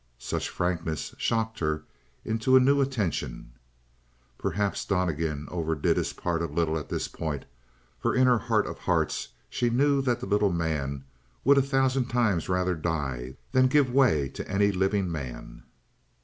Such frankness shocked her into a new attention. Perhaps Donnegan overdid his part a little at this point, for in her heart of hearts she knew that the little man would a thousand times rather die than give way to any living man.